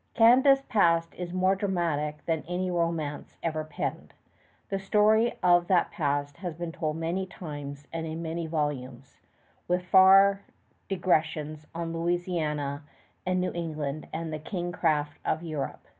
Canada's past is more dramatic than any romance ever penned. The story of that past has been told many times and in many volumes, with far digressions on Louisiana and New England and the kingcraft of Europe.